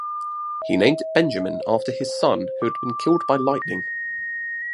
He named it Benjamin after his son who had been killed by lightning.